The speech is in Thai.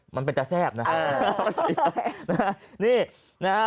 มันเป็นจาแซ่บนะ